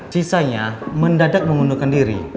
sisanya mendadak mengundurkan diri